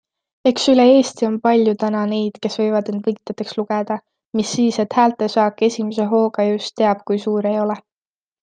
Eks üle Eesti on palju täna neid kes võivad end võitjateks lugeda, mis siis et häältesaak esimese hooga just teab kui suur ei ole.